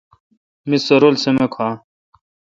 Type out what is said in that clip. می سر رل سمہ کھو اؘ۔